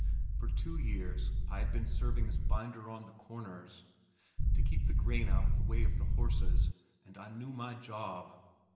For two years I had been serving as binder on the corners, (to keep the grain out of the way of the horses) and I knew my job.